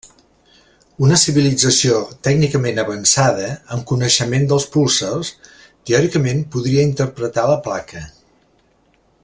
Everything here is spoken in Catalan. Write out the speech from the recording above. Una civilització tècnicament avançada, amb coneixement dels púlsars, teòricament podria interpretar la placa.